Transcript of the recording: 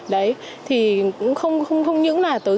đấy thì không không không những là tới